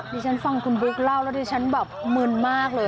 ดิฉันฟังคุณบุ๊กเล่าแล้วดิฉันแบบมึนมากเลย